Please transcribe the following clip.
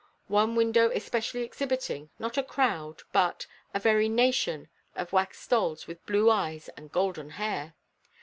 One window especially exhibiting, not a crowd, but, a very nation of wax dolls with blue eyes and golden hair!